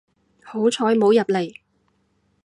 好彩冇入嚟